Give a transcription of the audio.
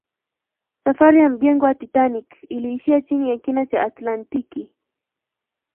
safari ya mjengo wa titanic iliishia chini ya kina cha atlantiki